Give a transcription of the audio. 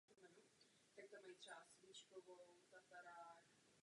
Pane komisaři, děkuji vám za účast v této rozpravě.